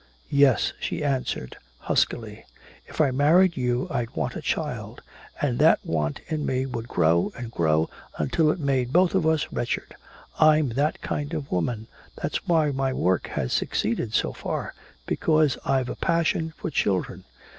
"Yes," she answered huskily, "if I married you I'd want a child. And that want in me would grow and grow until it made both of us wretched. I'm that kind of a woman. That's why my work has succeeded so far because I've a passion for children!